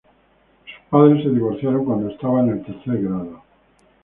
Sus padres se divorciaron cuando estaba en el tercer grado.